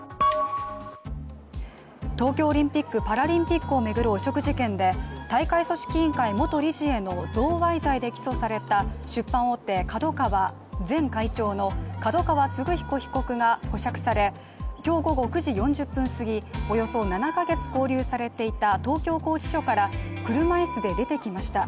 東京オリンピック・パラリンピックを巡る汚職事件で大会組織委員会元理事への贈賄罪で起訴された出版大手ＫＡＤＯＫＡＷＡ前会長の角川歴彦被告が保釈され、今日午後９時４０分すぎおよそ７か月勾留されていて東京拘置所から車椅子で出てきました。